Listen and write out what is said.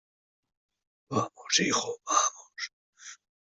vamos, hijo. vamos .